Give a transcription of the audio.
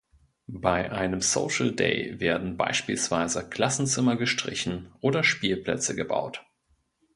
Bei einem "social day" werden beispielsweise Klassenzimmer gestrichen oder Spielplätze gebaut.